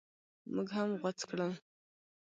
موږ هم غوڅ کړل.